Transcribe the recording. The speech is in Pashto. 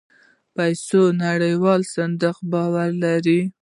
پيسو نړيوال صندوق باور لري.